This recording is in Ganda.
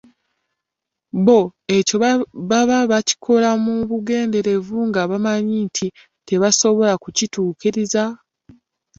Bo ekyo baba baakikola mu bugenderevu nga bamanyi nti tebasobola kubituukiriza.